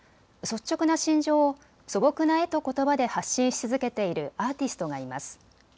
率直な心情を素朴な絵とことばで発信し続けているアーティストがいます。